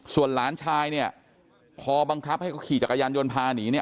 ส่วนหลานชายเนี่ยพอบังคับให้เขาขี่จักรยานยนต์พาหนีเนี่ย